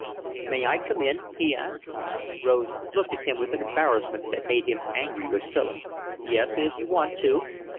"May I come in?" he asked. Rose looked at him with an embarrassment that made him angry with Philip. "Yes, if you want to."